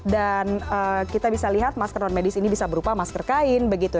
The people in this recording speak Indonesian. dan kita bisa lihat masker non medis ini bisa berupa masker kain begitu